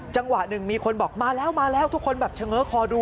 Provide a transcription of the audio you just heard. จังหวะหนึ่งมีคนบอกมาแล้วมาแล้วทุกคนแบบเฉง้อคอดู